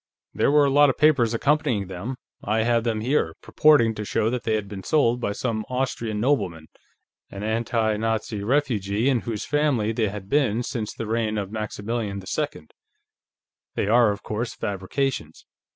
There were a lot of papers accompanying them I have them here purporting to show that they had been sold by some Austrian nobleman, an anti Nazi refugee, in whose family they had been since the reign of Maximilian II. They are, of course, fabrications.